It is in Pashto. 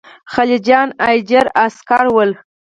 خلجیان اجیر عسکر ول.